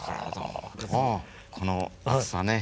この厚さね。